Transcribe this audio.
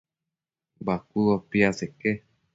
Bacuëbo piaseque